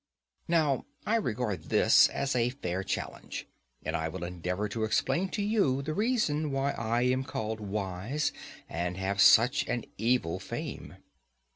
Now I regard this as a fair challenge, and I will endeavour to explain to you the reason why I am called wise and have such an evil fame.